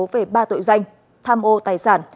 về ba tội danh tham ô tài sản